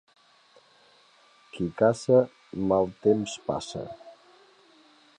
Qui caça mal temps passa.